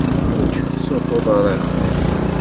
Iwacu ur tettruḥeḍ ara?